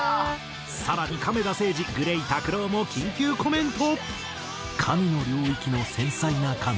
更に亀田誠治ＧＬＡＹＴＡＫＵＲＯも緊急コメント。